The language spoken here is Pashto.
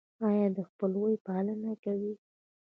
ایا د خپلوۍ پالنه کوئ؟